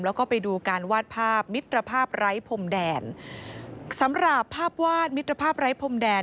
แล้วก็ไปดูการวาดภาพมิตรภาพไร้พรมแดนสำหรับภาพวาดมิตรภาพไร้พรมแดน